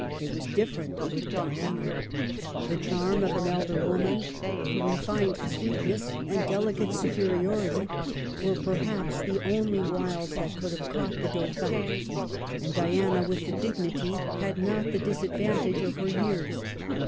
It was different with Diana. The charm of an elder woman, her refined sweetness and delicate superiority were perhaps the only wiles that could have caught the Dauphin. And Diana, with the dignity, had not the disadvan tage of her years.